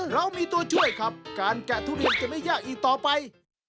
เรามีตัวช่วยครับการแกะทุเรียนจะไม่ยากอีกต่อไป